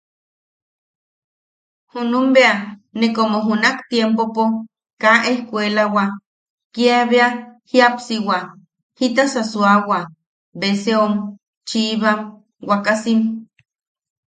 Junum bea ne komo junak tiempopo kaa ejkuelawa kiabea jiapsiwa, jitasa suawa beseom chiibam wakasim.